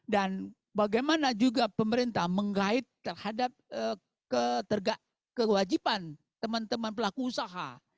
dan bagaimana juga pemerintah mengait terhadap kewajiban teman teman pelaku usaha